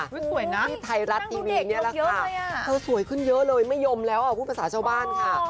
สวยนะที่ไทยรัฐทีวีนี่แหละค่ะเธอสวยขึ้นเยอะเลยไม่ยอมแล้วพูดภาษาชาวบ้านค่ะ